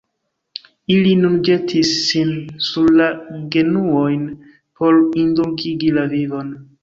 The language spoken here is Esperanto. Ili nun ĵetis sin sur la genuojn por indulgigi la vivon.